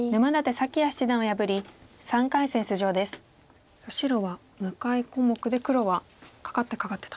さあ白は向かい小目で黒はカカってカカってと。